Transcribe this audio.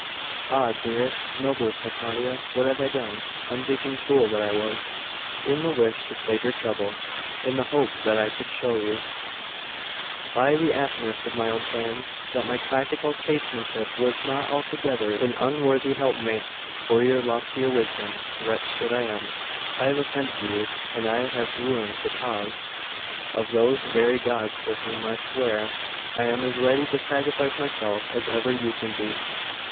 'Ah! dearest, noblest Hypatia! What have I done? Unthinking fool that I was! In the wish to save you trouble In the hope that I could show you, by the aptness of my own plans, that my practical statesmanship was not altogether an unworthy helpmate for your loftier wisdom wretch that I am, I have offended you; and I have ruined the cause of those very gods for whom, I swear, I am as ready to sacrifice myself as ever you can be!